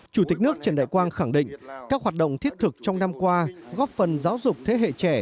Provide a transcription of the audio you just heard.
chủ tịch nước trần đại quang khẳng định các hoạt động thiết thực trong năm qua góp phần giáo dục thế hệ trẻ